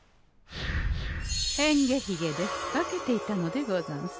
変化ひげで化けていたのでござんす。